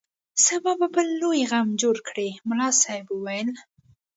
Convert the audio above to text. سبا به بل لوی غم جوړ کړي ملا صاحب وویل.